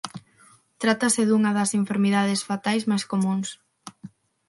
Trátase dunha das enfermidades fatais máis comúns.